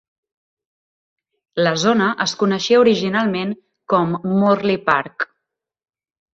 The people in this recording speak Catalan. La zona es coneixia originalment com Morley Park.